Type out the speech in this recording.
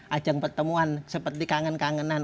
ajang pertemuan seperti kangen kangenan